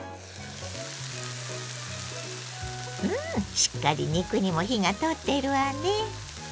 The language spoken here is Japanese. うんしっかり肉にも火が通っているわね。